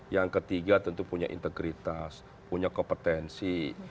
yang ketiga tentu punya integritas punya kompetensi